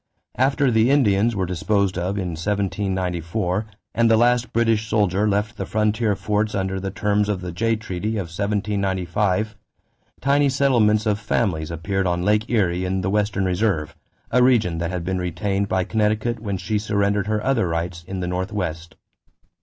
After the Indians were disposed of in 1794 and the last British soldier left the frontier forts under the terms of the Jay treaty of 1795, tiny settlements of families appeared on Lake Erie in the "Western Reserve," a region that had been retained by Connecticut when she surrendered her other rights in the Northwest.